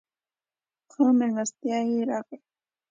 ښه مېلمستیا راکړه.